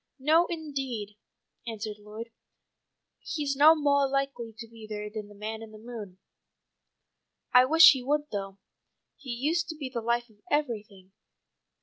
"No, indeed," answered Lloyd. "He's no moah likely to be there than the man in the moon. I wish he would though. He used to be the life of everything.